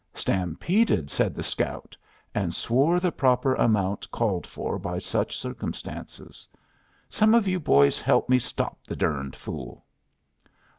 "Stampeded!" said the scout, and swore the proper amount called for by such circumstances. "Some o' you boys help me stop the durned fool."